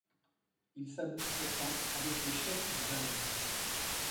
Il s'abouche pourtant avec les chefs du Bas-Maine.